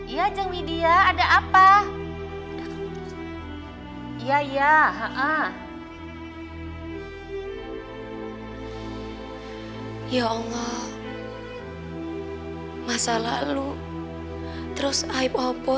ia jeng midia ada apa